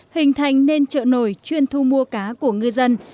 hình thành nên chợ nổi chuyên thu mua cá của ngư dân